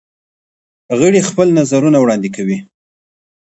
غړي خپل نظرونه وړاندې کوي.